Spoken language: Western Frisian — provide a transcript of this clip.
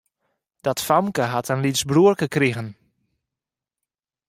Dat famke hat in lyts bruorke krigen.